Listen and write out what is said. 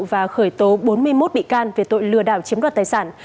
và khởi tố bốn mươi một bị can về tội lừa đảo chiếm đoạt tài sản